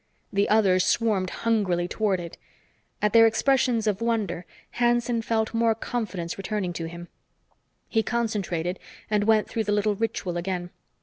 The others swarmed hungrily toward it. At their expressions of wonder, Hanson felt more confidence returning to him. He concentrated and went through the little ritual again.